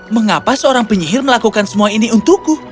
mengapa seorang penyihir melakukan semua ini untukku